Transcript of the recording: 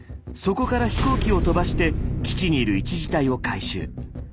そこから飛行機を飛ばして基地にいる１次隊を回収。